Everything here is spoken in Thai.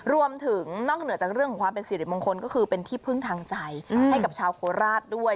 รวมถึงนอกเหนือจากเรื่องของความเป็นสิริมงคลก็คือเป็นที่พึ่งทางใจให้กับชาวโคราชด้วย